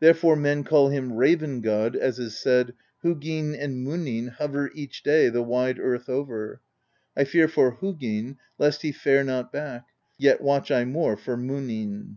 Therefore men call him Raven God, as is said: Huginn and Muninn hover each day The wide earth over; I fear for Huginn lest he fare not back, — Yet watch I more for Muninn."